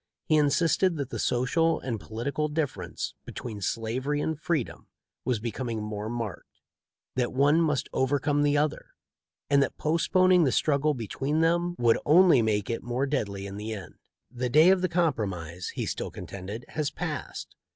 He insisted that the social and political difference between slavery and freedom was becoming more marked; that one must overcome the other; and that postponing the struggle between them would only make it the more deadly in the end. "The day of compro mise," he still contended, "has passed.